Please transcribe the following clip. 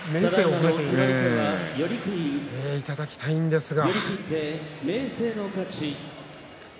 褒めていただきたいんですが。